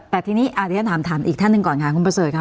แต่ทีนี้เดี๋ยวฉันถามอีกท่านหนึ่งก่อนค่ะคุณประเสริฐค่ะ